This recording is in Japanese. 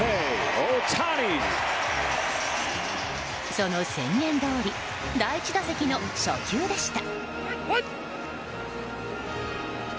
その宣言どおり第１打席の初球でした。